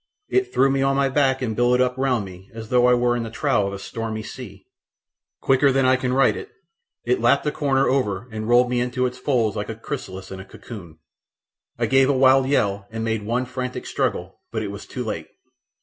It threw me on my back and billowed up round me as though I were in the trough of a stormy sea. Quicker than I can write it lapped a corner over and rolled me in its folds like a chrysalis in a cocoon. I gave a wild yell and made one frantic struggle, but it was too late.